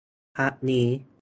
พักนี้